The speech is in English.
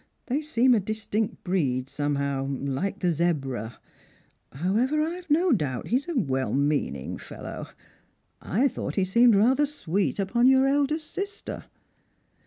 They seem a distinct breed somehow, like the zebra. However, I've no doubt he's a well meaning fellow. I thought he seemed rather sweet upon your eldest sister."